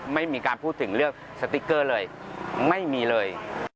ไม่มีการพูดถึงเรื่องสติ๊กเกอร์เลยไม่มีเลย